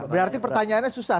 berarti pertanyaannya susah